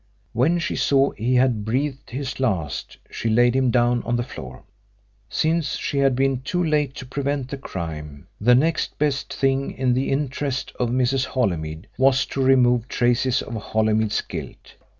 When she saw he had breathed his last she laid him down on the floor. Since she had been too late to prevent the crime, the next best thing in the interests of Mrs. Holymead was to remove traces of Holymead's guilt.